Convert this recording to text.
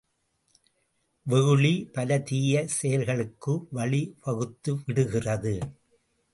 வெகுளி, பல தீய செயல்களுக்கு வழி வகுத்துவிடுகிறது.